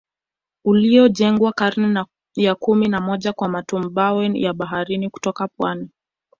Uliojengwa karne ya kumi na moja kwa matumbawe ya baharini kutoka pwani